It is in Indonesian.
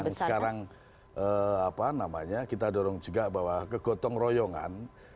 nah saya kira itulah yang sekarang kita dorong juga bahwa kegotong royongan